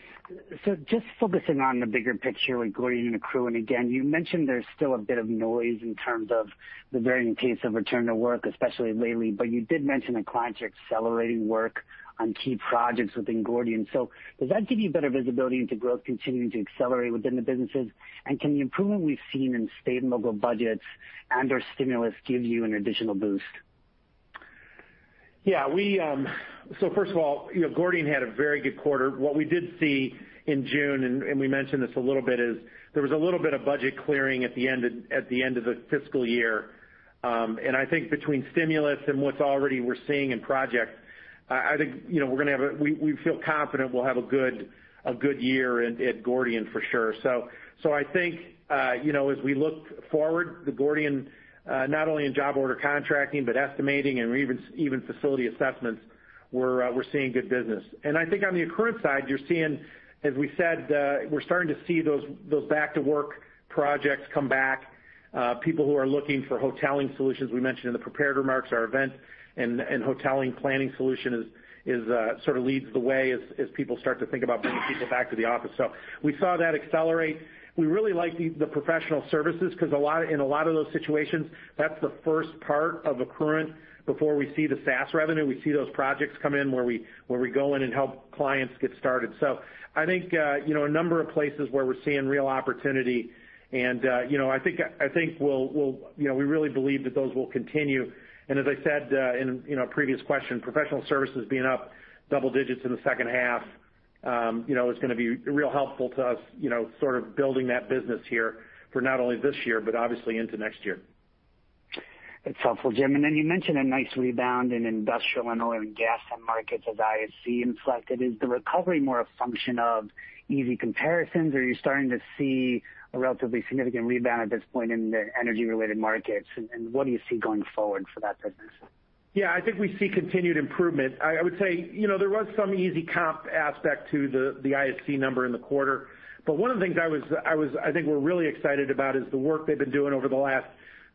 Just focusing on the bigger picture with Gordian Accruent. Again, you mentioned there's still a bit of noise in terms of the varying pace of return to work, especially lately, but you did mention that clients are accelerating work on key projects within Gordian. Does that give you better visibility into growth continuing to accelerate within the businesses? Can the improvement we've seen in state and local budgets and/or stimulus give you an additional boost? Yeah. First of all, Gordian had a very good quarter. What we did see in June, and we mentioned this a little bit, is there was a little bit of budget clearing at the end of the fiscal year. I think between stimulus and what's already we're seeing in projects, we feel confident we'll have a good year at Gordian for sure. I think as we look forward, the Gordian, not only in job order contracting, but estimating and even facility assessments, we're seeing good business. I think on the Accruent side, as we said, we're starting to see those back-to-work projects come back. People who are looking for hoteling solutions, we mentioned in the prepared remarks, our event and hoteling planning solution sort of leads the way as people start to think about bringing people back to the office. We saw that accelerate. We really like the professional services, because in a lot of those situations, that's the first part of Accruent before we see the SaaS revenue. We see those projects come in where we go in and help clients get started. I think a number of places where we're seeing real opportunity, and we really believe that those will continue. As I said in a previous question, professional services being up double digits in the second half is going to be real helpful to us sort of building that business here for not only this year, but obviously into next year. That's helpful, Jim. Then you mentioned a nice rebound in industrial and oil and gas end markets as ISC inflected. Is the recovery more a function of easy comparisons, or are you starting to see a relatively significant rebound at this point in the energy-related markets? What do you see going forward for that business? Yeah, I think we see continued improvement. I would say there was some easy comp aspect to the ISC number in the quarter. One of the things I think we're really excited about is the work they've been doing over the last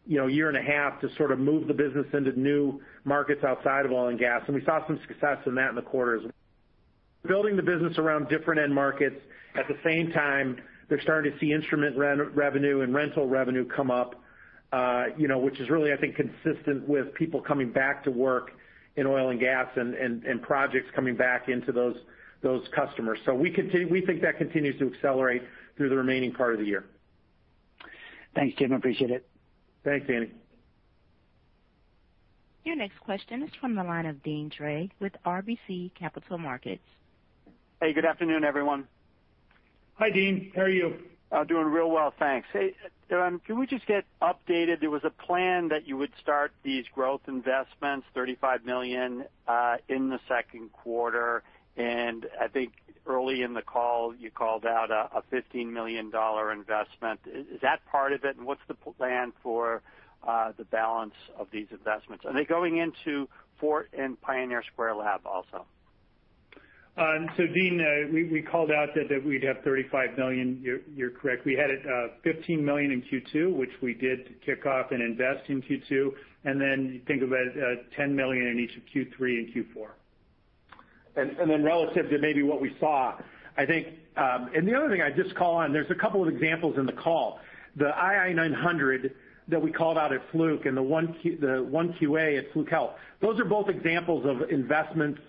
year and a half to sort of move the business into new markets outside of oil and gas. We saw some success in that in the quarter as building the business around different end markets. At the same time, they're starting to see instrument revenue and rental revenue come up, which is really, I think, consistent with people coming back to work in oil and gas and projects coming back into those customers. We think that continues to accelerate through the remaining part of the year. Thanks, Jim. Appreciate it. Thanks, Andy. Your next question is from the line of Deane Dray with RBC Capital Markets. Hey, good afternoon, everyone. Hi, Deane. How are you? Doing real well, thanks. Hey, can we just get updated? There was a plan that you would start these growth investments, $35 million, in the second quarter, and I think early in the call, you called out a $15 million investment. Is that part of it, and what's the plan for the balance of these investments? Are they going into Fort and Pioneer Square Labs also? Deane, we called out that we'd have $35 million. You're correct. We had $15 million in Q2, which we did to kick off and invest in Q2, then think of it as $10 million in each of Q3 and Q4. Then relative to maybe what we saw, I think the other thing I'd just call on, there's a couple of examples in the call. The ii900 that we called out at Fluke and the OneQA at Fluke Health Solutions. Those are both examples of investments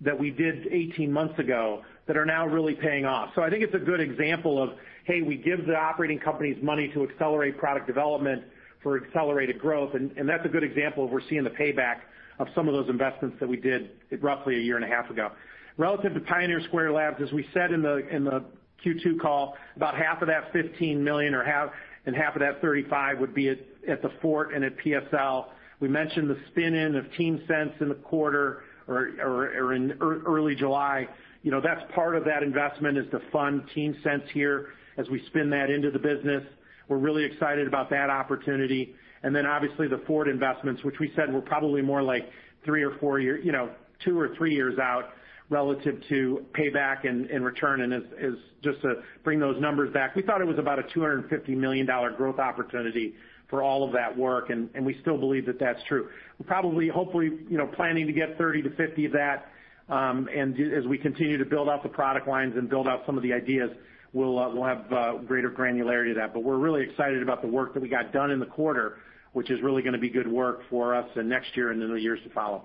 that we did 18 months ago that are now really paying off. I think it's a good example of, hey, we give the operating companies money to accelerate product development for accelerated growth, and that's a good example of we're seeing the payback of some of those investments that we did roughly a year and a half ago. Relative to Pioneer Square Labs, as we said in the Q2 call, about half of that $15 million and half of that $35 million would be at the Fort and at PSL. We mentioned the spin-in of TeamSense in the quarter or in early July. That's part of that investment is to fund TeamSense here as we spin that into the business. We're really excited about that opportunity. Obviously the Fort investments, which we said were probably more like two or three years out relative to payback and return, and is just to bring those numbers back. We thought it was about a $250 million growth opportunity for all of that work, and we still believe that that's true. Probably, hopefully planning to get 30-50 of that. As we continue to build out the product lines and build out some of the ideas, we'll have greater granularity to that. We're really excited about the work that we got done in the quarter, which is really going to be good work for us in next year and in the years to follow.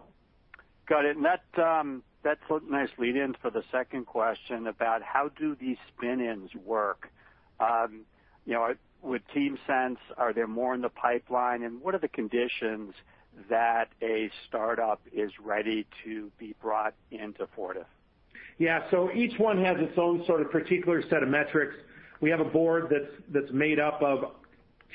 Got it. That's a nice lead-in for the second question about how do these spin-ins work? With TeamSense, are there more in the pipeline, and what are the conditions that a startup is ready to be brought into Fortive? Yeah. Each one has its own sort of particular set of metrics. We have a board that's made up of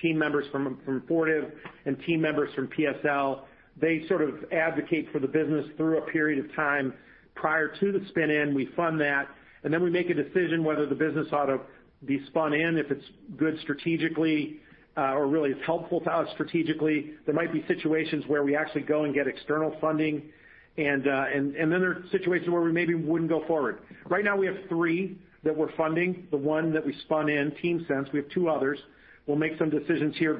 team members from Fortive and team members from PSL. They sort of advocate for the business through a period of time prior to the spin-in. We fund that, and then we make a decision whether the business ought to be spun in, if it's good strategically or really is helpful to us strategically. There might be situations where we actually go and get external funding, and then there are situations where we maybe wouldn't go forward. Right now, we have three that we're funding. The one that we spun in, TeamSense. We have two others. We'll make some decisions here.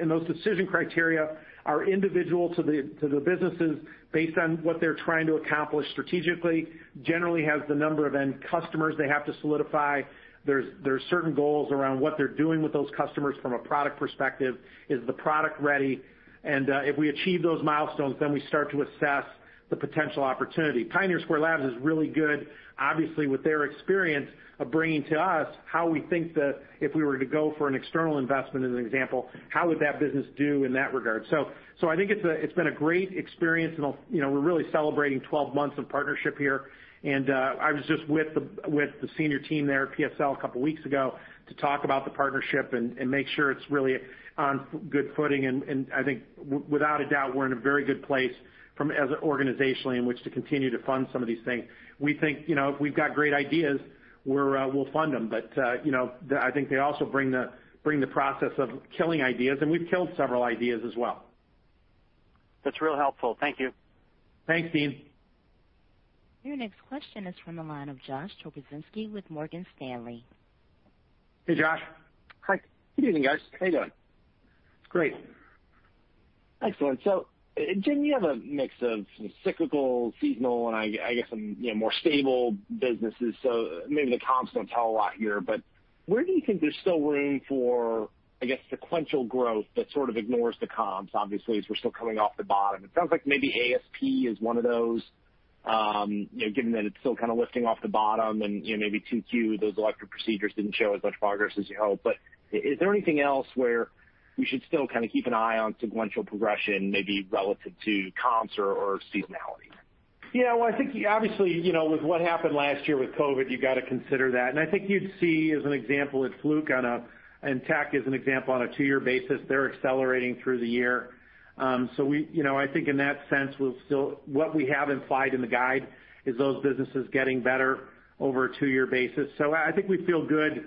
Those decision criteria are individual to the businesses based on what they're trying to accomplish strategically. Generally has the number of end customers they have to solidify. There's certain goals around what they're doing with those customers from a product perspective. Is the product ready? If we achieve those milestones, we start to assess the potential opportunity. Pioneer Square Labs is really good, obviously, with their experience of bringing to us how we think that if we were to go for an external investment, as an example, how would that business do in that regard? I think it's been a great experience, and we're really celebrating 12 months of partnership here. I was just with the senior team there at PSL a couple of weeks ago to talk about the partnership and make sure it's really on good footing. I think, without a doubt, we're in a very good place organizationally in which to continue to fund some of these things. We think we've got great ideas. We'll fund them. I think they also bring the process of killing ideas, and we've killed several ideas as well. That's real helpful. Thank you. Thanks, Deane. Your next question is from the line of Josh Pokrzywinski with Morgan Stanley. Hey, Josh. Hi. Good evening, guys. How you doing? Great. Excellent. Jim, you have a mix of some cyclical, seasonal, and I guess some more stable businesses, so maybe the comps don't tell a lot here, but where do you think there's still room for, I guess, sequential growth that sort of ignores the comps, obviously, as we're still coming off the bottom? It sounds like maybe ASP is one of those, given that it's still kind of lifting off the bottom and maybe 2Q, those elective procedures didn't show as much progress as you hoped. But is there anything else where we should still kind of keep an eye on sequential progression, maybe relative to comps or seasonality? Well, I think obviously, with what happened last year with COVID, you've got to consider that. I think you'd see as an example at Fluke on a, and Tektronix as an example on a two-year basis, they're accelerating through the year. I think in that sense, what we have implied in the guide is those businesses getting better over a two-year basis. I think we feel good.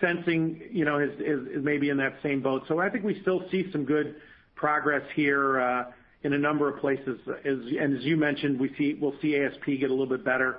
Sensing is maybe in that same boat. I think we still see some good progress here in a number of places. As you mentioned, we'll see ASP get a little bit better.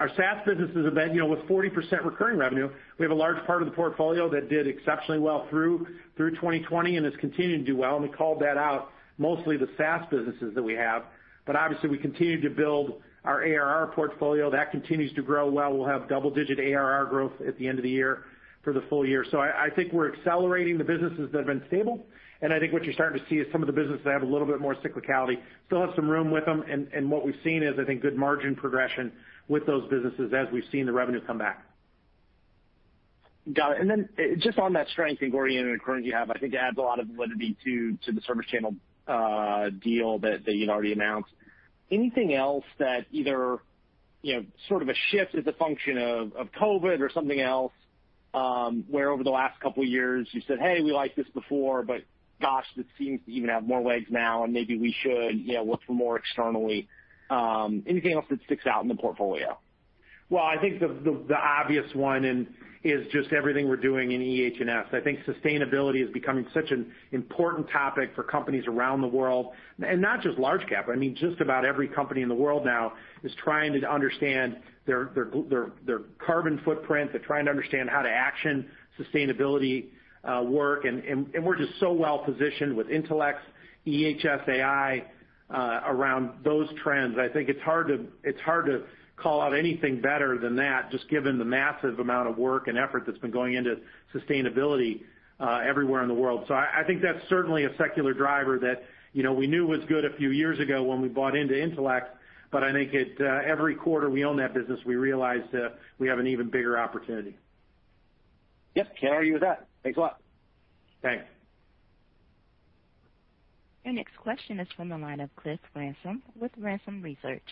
Our SaaS businesses have been, with 40% recurring revenue, we have a large part of the portfolio that did exceptionally well through 2020 and has continued to do well. We called that out, mostly the SaaS businesses that we have. Obviously, we continue to build our ARR portfolio. That continues to grow well. We'll have double-digit ARR growth at the end of the year for the full year. I think we're accelerating the businesses that have been stable. I think what you're starting to see is some of the businesses that have a little bit more cyclicality still have some room with them. What we've seen is, I think, good margin progression with those businesses as we've seen the revenue come back. Got it. Just on that strength and recurring you have, I think it adds a lot of validity to the ServiceChannel deal that you'd already announced. Anything else that either sort of a shift as a function of COVID or something else, where over the last couple of years you said, "Hey, we liked this before, but gosh, this seems to even have more legs now, and maybe we should look for more externally." Anything else that sticks out in the portfolio? I think the obvious one is just everything we're doing in EHS. I think sustainability is becoming such an important topic for companies around the world, and not just large cap. I mean, just about every company in the world now is trying to understand their carbon footprint. They're trying to understand how to action sustainability work, and we're just so well-positioned with Intelex ehsAI around those trends. I think it's hard to call out anything better than that, just given the massive amount of work and effort that's been going into sustainability everywhere in the world. I think that's certainly a secular driver that we knew was good a few years ago when we bought into Intelex. I think every quarter we own that business, we realize that we have an even bigger opportunity. Yep. Can't argue with that. Thanks a lot. Thanks. Your next question is from the line of Cliff Ransom with Ransom Research.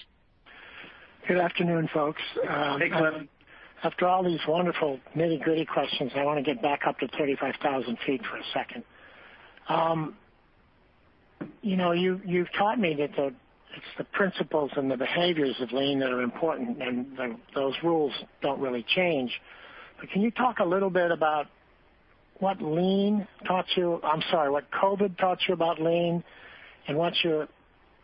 Good afternoon, folks. Hey, Cliff. After all these wonderful nitty-gritty questions, I want to get back up to 35,000 feet for a second. You've taught me that it's the principles and the behaviors of Lean that are important, and those rules don't really change. Can you talk a little bit about what COVID taught you about Lean, and what your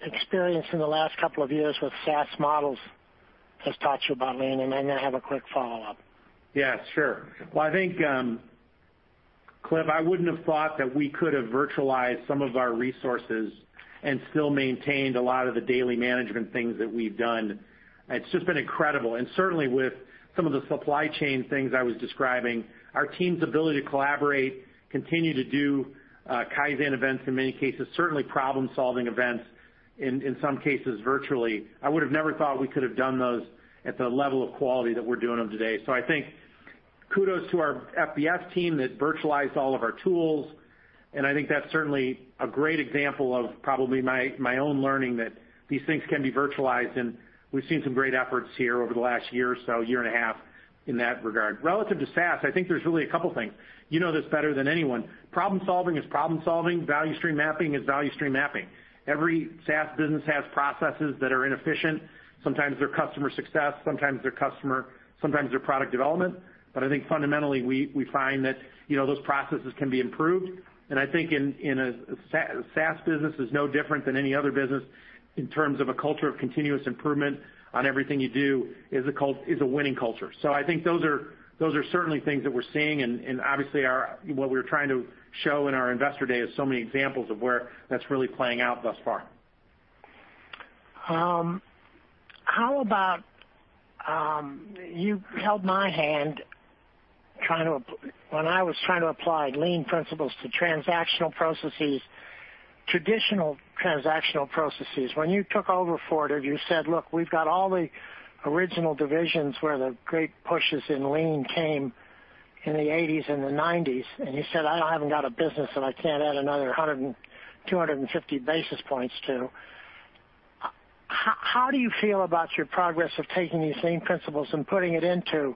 experience in the last couple of years with SaaS models has taught you about Lean? I have a quick follow-up. Yeah, sure. Well, I think, Cliff, I wouldn't have thought that we could have virtualized some of our resources and still maintained a lot of the daily management things that we've done. It's just been incredible, certainly with some of the supply chain things I was describing. Our team's ability to collaborate, continue to do Kaizen events in many cases, certainly problem-solving events in some cases virtually. I would've never thought we could have done those at the level of quality that we're doing them today. I think kudos to our FBS team that virtualized all of our tools. I think that's certainly a great example of probably my own learning that these things can be virtualized. We've seen some great efforts here over the last year or so, year and a half in that regard. Relative to SaaS, I think there's really a couple things. You know this better than anyone. Problem-solving is problem-solving. Value stream mapping is value stream mapping. Every SaaS business has processes that are inefficient. Sometimes they're customer success, sometimes they're product development. I think fundamentally, we find that those processes can be improved. I think in a SaaS business is no different than any other business in terms of a culture of continuous improvement on everything you do is a winning culture. I think those are certainly things that we're seeing, and obviously, what we're trying to show in our Investor Day is so many examples of where that's really playing out thus far. How about you held my hand when I was trying to apply lean principles to traditional transactional processes. When you took over Fortive, you said, "Look, we've got all the original divisions where the great pushes in lean came in the '80s and the '90s." You said, "I haven't got a business that I can't add another 250 basis points to." How do you feel about your progress of taking these same principles and putting it into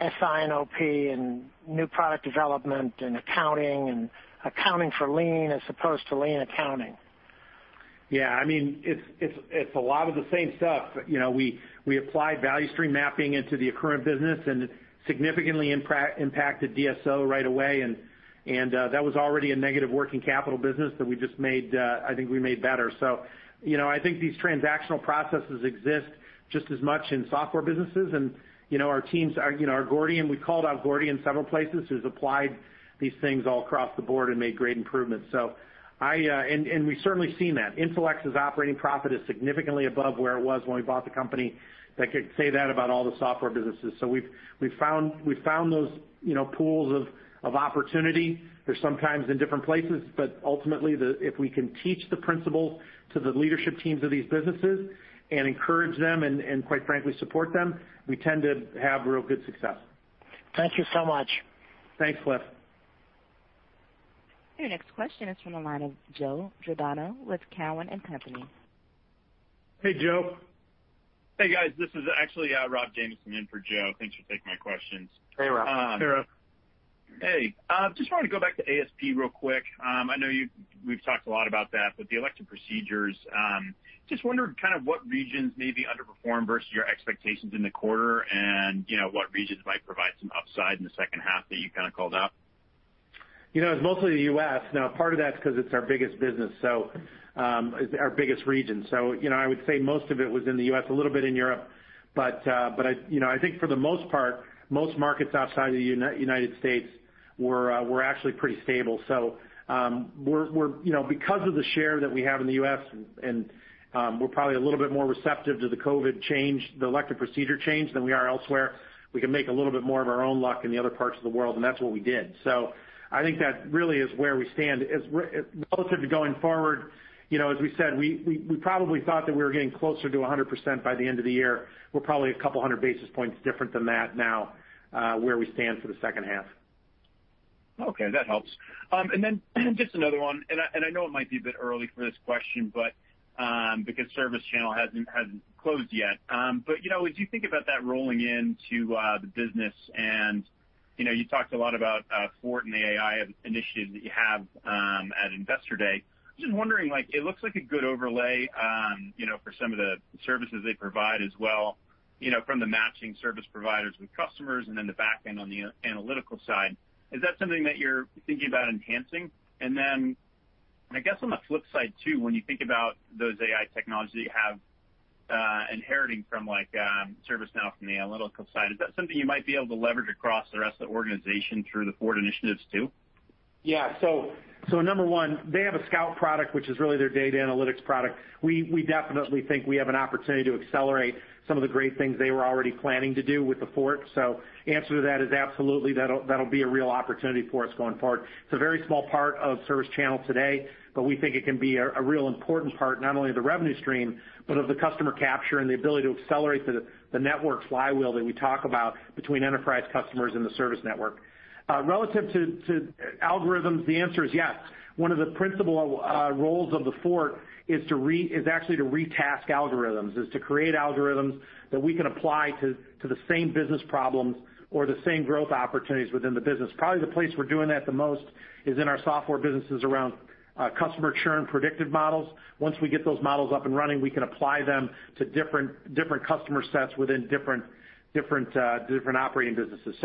SI&OP and new product development and accounting, and accounting for lean as opposed to lean accounting? It's a lot of the same stuff. We applied value stream mapping into the Accruent business, and it significantly impacted DSO right away, and that was already a negative working capital business that I think we made better. I think these transactional processes exist just as much in software businesses. Our teams, our Gordian, we called out Gordian several places, who's applied these things all across the board and made great improvements. We've certainly seen that. Intelex's operating profit is significantly above where it was when we bought the company, that could say that about all the software businesses. We've found those pools of opportunity. They're sometimes in different places, but ultimately, if we can teach the principles to the leadership teams of these businesses and encourage them, and quite frankly, support them, we tend to have real good success. Thank you so much. Thanks, Cliff. Your next question is from the line of Joseph Giordano with Cowen and Company. Hey, Joe. Hey, guys. This is actually Rob Mason in for Joe. Thanks for taking my questions. Hey, Rob. Hey, Rob. Hey. Just wanted to go back to ASP real quick. I know we've talked a lot about that, but the elective procedures, just wondering what regions maybe underperformed versus your expectations in the quarter and what regions might provide some upside in the second half that you called out. It was mostly the U.S. Part of that is because it's our biggest business, our biggest region. I would say most of it was in the U.S., a little bit in Europe. I think for the most part, most markets outside of the United States were actually pretty stable. Because of the share that we have in the U.S., and we're probably a little bit more receptive to the COVID change, the elective procedure change than we are elsewhere, we can make a little bit more of our own luck in the other parts of the world, and that's what we did. I think that really is where we stand. Relative to going forward, as we said, we probably thought that we were getting closer to 100% by the end of the year. We're probably 200 basis points different than that now, where we stand for the second half. Okay. That helps. Just another one, and I know it might be a bit early for this question, but because ServiceChannel hasn't closed yet. As you think about that rolling into the business, and you talked a lot about Fort and the AI initiative that you have at Investor Day. I was just wondering, it looks like a good overlay for some of the services they provide as well from the matching service providers with customers and then the back end on the analytical side. Is that something that you're thinking about enhancing? I guess on the flip side too, when you think about those AI technologies that you have inheriting from ServiceNow from the analytical side, is that something you might be able to leverage across the rest of the organization through the Fort initiatives, too? Yeah. Number 1, they have a Scout product, which is really their data analytics product. We definitely think we have an opportunity to accelerate some of the great things they were already planning to do with the Fort. The answer to that is absolutely, that'll be a real opportunity for us going forward. It's a very small part of ServiceChannel today, but we think it can be a real important part, not only of the revenue stream, but of the customer capture and the ability to accelerate the network flywheel that we talk about between enterprise customers and the service network. Relative to algorithms, the answer is yes. One of the principal roles of the Fort is actually to retask algorithms, is to create algorithms that we can apply to the same business problems or the same growth opportunities within the business. Probably the place we're doing that the most is in our software businesses around customer churn predictive models. Once we get those models up and running, we can apply them to different customer sets within different operating businesses.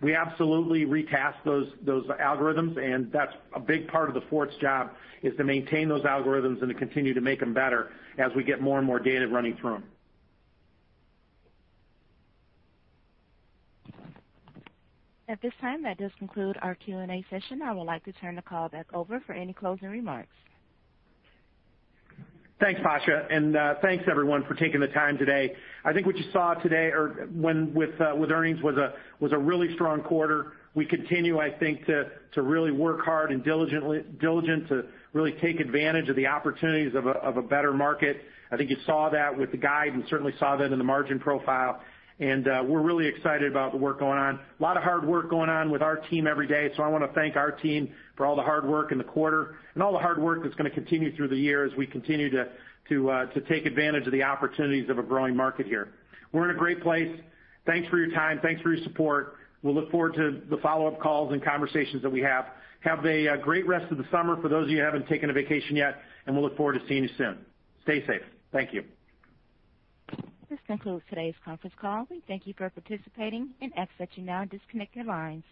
We absolutely retask those algorithms, and that's a big part of the Fort's job, is to maintain those algorithms and to continue to make them better as we get more and more data running through them. At this time, that does conclude our Q&A session. I would like to turn the call back over for any closing remarks. Thanks, Pasha. Thanks, everyone, for taking the time today. I think what you saw today or with earnings was a really strong quarter. We continue, I think, to really work hard and diligent to really take advantage of the opportunities of a better market. I think you saw that with the guide and certainly saw that in the margin profile. We're really excited about the work going on. A lot of hard work going on with our team every day. I want to thank our team for all the hard work in the quarter and all the hard work that's going to continue through the year as we continue to take advantage of the opportunities of a growing market here. We're in a great place. Thanks for your time. Thanks for your support. We'll look forward to the follow-up calls and conversations that we have. Have a great rest of the summer for those of you who haven't taken a vacation yet. We'll look forward to seeing you soon. Stay safe. Thank you. This concludes today's conference call. We thank you for participating and ask that you now disconnect your lines.